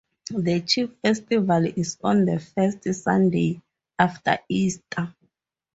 The chief festival is on the first Sunday after Easter.